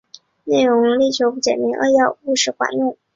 内容力求简明扼要、务实管用